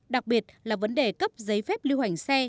đặc biệt là vấn đề cấp giấy phép lưu hành xe